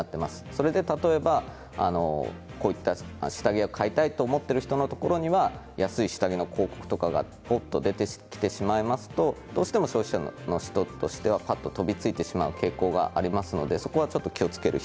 それで例えば下着を買いたいと思っている人のところには安い下着の広告とかがぽっと出てきてしまいますとどうしても消費者の人としてはぱっと飛びついてしまう傾向があります。